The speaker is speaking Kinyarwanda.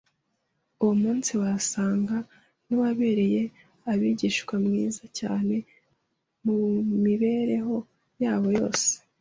Uwo munsi, wasaga n'uwabereye abigishwa mwiza cyane mu mibereho yabo yose